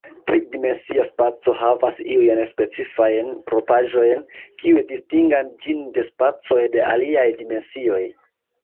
Tri-dimensia spaco havas iujn specifajn propraĵojn, kiuj distingan ĝin de spacoj de aliaj dimensioj.